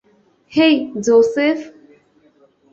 হেই, Joseph.